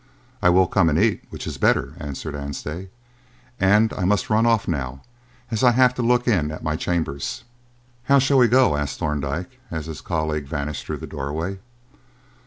"I will come and eat, which is better," answered Anstey, "and I must run off now, as I have to look in at my chambers." "How shall we go?" asked Thorndyke, as his colleague vanished through the doorway.